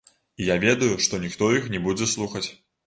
І я ведаю, што ніхто іх не будзе слухаць.